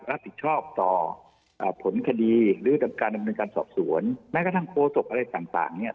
รับผิดชอบต่อผลคดีหรือการดำเนินการสอบสวนแม้กระทั่งโฆษกอะไรต่างเนี่ย